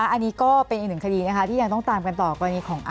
อันนี้ก็เป็นอีกหนึ่งคดีนะคะที่ยังต้องตามกันต่อกรณีของ